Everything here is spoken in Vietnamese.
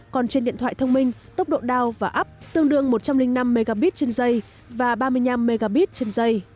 còn trên điện thoại thông minh tốc độ down và up tương đương một trăm linh năm mbps trên dây và ba mươi năm mbps trên dây